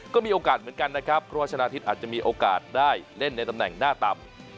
ก็มีโอกาสเหมือนกันนะครับเพราะว่าชนะทิพย์อาจจะมีโอกาสได้เล่นในตำแหน่งหน้าต่ำ